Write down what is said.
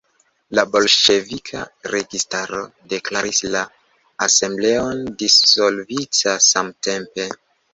La bolŝevika registaro deklaris la Asembleon dissolvita samtempe.